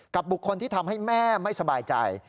บุคคลที่ทำให้แม่ไม่สบายใจ